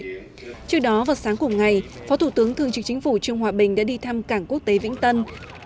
trước đó vào sáng cùng ngày phó thủ tướng thương trực chính phủ trương hòa bình đã đi thăm cảng quốc tế vĩnh tân